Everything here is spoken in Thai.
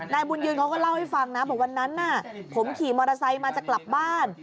นายบุญยืนเขาก็เล่าให้ฟังนะบอกวันนั้นผมขี่มอเตอร์ไซค์มาจะกลับบ้าน